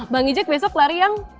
bang ijek besok lari yang